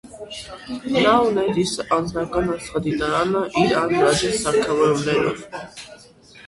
Նա ուներ իր անձնական աստղադիտարանը՝ իր աանհրաժեշտ սարքավորումներով։